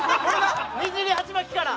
じり鉢巻きから！